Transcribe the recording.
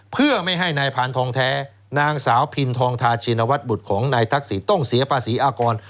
เพื่อไม่ให้นายพานทองแท้นางสาวพินทองทาชินวัฒนบุตรของนายทักษิณต้องเสียภาษีอากร